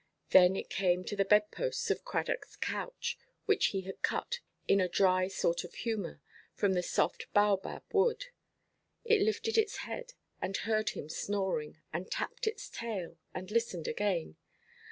Then it came to the bedposts of Cradockʼs couch, which he had cut, in a dry sort of humour, from the soft baobab wood. It lifted its head, and heard him snoring, and tapped its tail, and listened again.